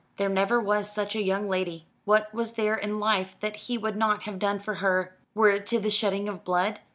There never was such a young lady. What was there in life that he would not have done for her were it to the shedding of blood?